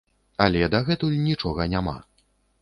Але дагэтуль нічога няма!